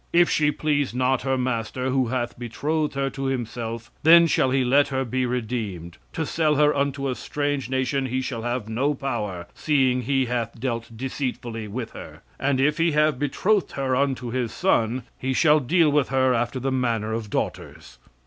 "If she please not her master, who hath betrothed her to himself, then shall he let her be redeemed; to sell her unto a strange nation he shall have no power, seeing he hath dealt deceitfully with her. And if he have betrothed her unto his son, he shall deal with her after the manner of daughters.